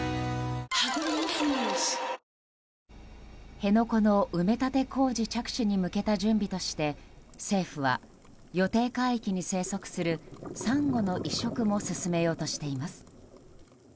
辺野古の埋め立て工事着手に向けた準備として政府は予定海域に生息するサンゴの移植も進めようとしています。